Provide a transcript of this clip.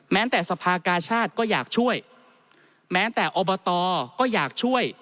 แต่สภากาชาติก็อยากช่วยแม้แต่อบตก็อยากช่วย